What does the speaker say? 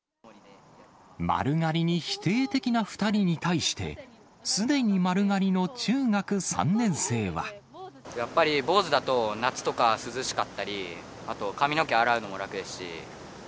丸刈りに否定的な２人に対しやっぱり坊主だと、夏とか涼しかったり、あと髪の毛洗うのも楽ですし。